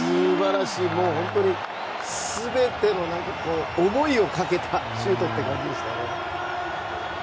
本当に全ての思いをかけたシュートという感じでしたね。